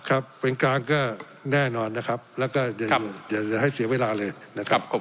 ครับเป็นกลางก็แน่นอนนะครับแล้วก็อย่าให้เสียเวลาเลยนะครับ